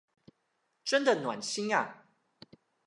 真的暖心啊